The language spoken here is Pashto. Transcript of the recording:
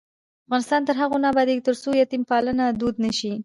افغانستان تر هغو نه ابادیږي، ترڅو یتیم پالنه دود نشي.